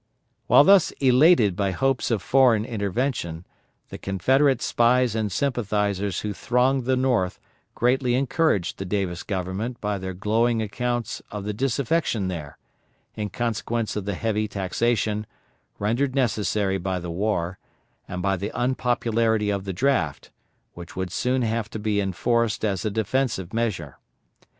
While thus elated by hopes of foreign intervention, the Confederate spies and sympathizers who thronged the North greatly encouraged the Davis Government by their glowing accounts of the disaffection there, in consequence of the heavy taxation, rendered necessary by the war, and by the unpopularity of the draft, which would soon have to be enforced as a defensive measure.